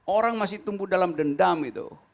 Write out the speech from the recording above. orang masih tumbuh dalam dendam itu